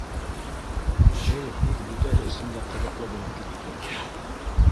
Был һүҙ бөтәһе өсөн дә ҡыҙыҡлы булып китте